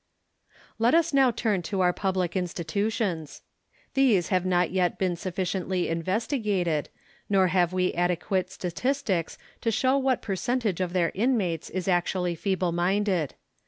Let us now turn to our public institutions. These have not yet been sufficiently investigated, nor have we adequate statistics to show what percentage of their inmates is actually feeble minded.